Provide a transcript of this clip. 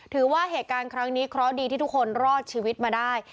ถือว่าเหตุการณ์ครั้งนี้เคราะห์ดีที่ทุกคนรอดชีวิตมาได้